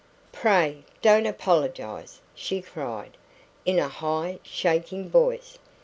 "Pray don't apologise!" she cried, in a high, shaking voice.